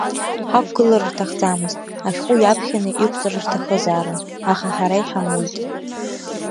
Ҳақәгылар рҭахӡамызт, ашәҟәы иаԥхьаны иқәҵыр рҭахызаарын, аха ҳара иҳамуит.